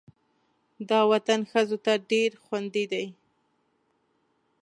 دا وطن ښځو ته ډېر خوندي دی.